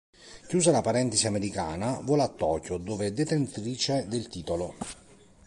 Chiusa la parentesi americana, vola a Tokyo, dove è detentrice del titolo.